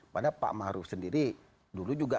padahal pak maruf sendiri dulu juga